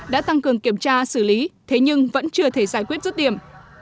đã tăng cường kiểm tra xử lý thế nhưng vẫn chưa thể giải quyết rứt điểm